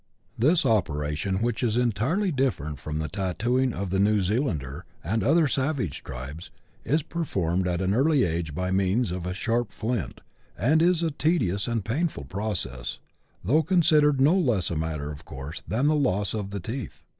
This operation, which is entirely different from the tattooing of the New Zea lander and other savage tribes, is performed at an early age by means of a sharp flint, and is a tedious and painful process, though considered no less a matter of course than the loss of the teeth.